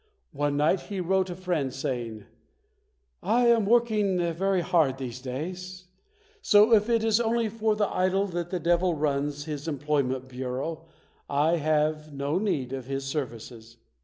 One night he wrote a friend, saying, "I am working very hard these days, so if it is only for the idle that the devil runs his employment bureau, I have no need of his services".